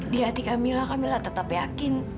di hati kak mila kak mila tetap yakin